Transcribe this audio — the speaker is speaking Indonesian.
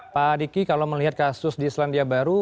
pak diki kalau melihat kasus di selandia baru